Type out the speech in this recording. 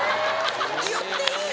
言っていいの？